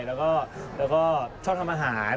แล้วก็ชอบทำอาหาร